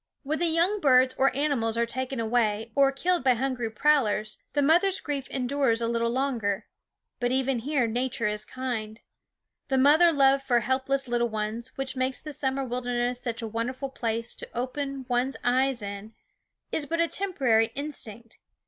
When the young birds or animals are taken away, or killed by hungry prowlers, the mother's grief endures a little longer. But even here Nature is kind. The mother love for helpless little ones, which makes the summer wilderness such a wonderful place to open one's eyes in, is but a temporary instinct.